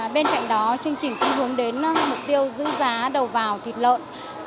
bên cạnh đó chương trình cũng hướng đến mục tiêu giữ giá đầu vào thịt lợn